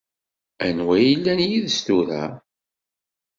Anwa i yellan yid-s tura?